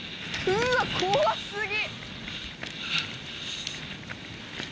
うーわ、怖すぎ。